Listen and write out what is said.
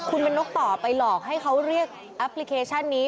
คุณเป็นนกต่อไปหลอกให้เขาเรียกแอปพลิเคชันนี้